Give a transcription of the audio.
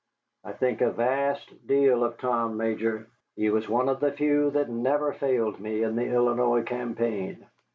I think a vast deal of Tom, Major. He was one of the few that never failed me in the Illinois campaign.